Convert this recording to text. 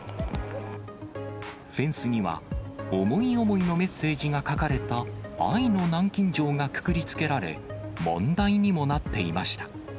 フェンスには思い思いのメッセージが書かれた愛の南京錠がくくりつけられ、問題にもなっていました。